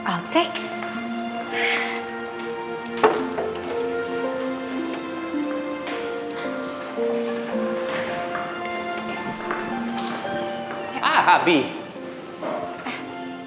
eh ini ada fraidad